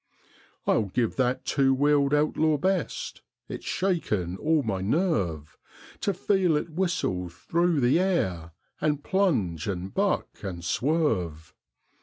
I'll give that two wheeled outlaw best; it's shaken all my nerve To feel it whistle through the air and plunge and buck and swerve.